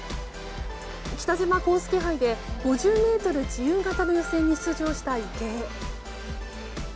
北島康介杯で５０ｍ自由形の予選に出場した池江。